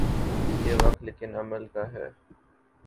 یہ وقت لیکن عمل کا ہے۔